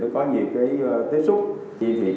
có nhiều tiếp xúc